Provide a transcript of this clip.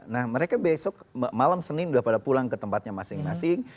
nah mereka besok malam senin sudah pada pulang ke tempatnya masing masing